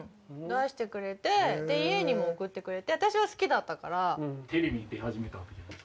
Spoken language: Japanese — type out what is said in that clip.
出してくれて、家にも送ってくれて私は好きだったから。